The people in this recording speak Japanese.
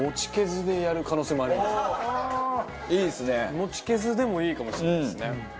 モチケズでもいいかもしれないですね。